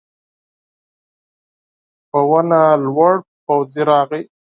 په ونه لوړ پوځي راغی.